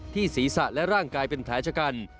ที่ศีรษะและร่างใกล้เป็นแผลจกัน